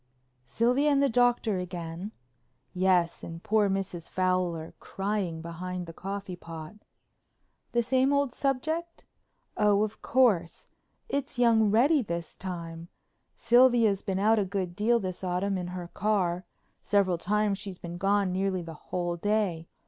"Sylvia and the Doctor again?" "Yes, and poor Mrs. Fowler crying behind the coffee pot." "The same old subject?" "Oh, of course. It's young Reddy this time. Sylvia's been out a good deal this autumn in her car; several times she's been gone nearly the whole day.